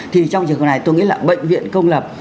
thì trong trường hợp này tôi nghĩ là bệnh viện công lập